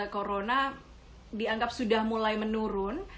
corona dianggap sudah mulai menurun